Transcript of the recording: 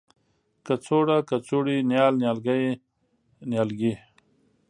کڅوړه ، کڅوړې ،نیال، نيالګي، نیالګی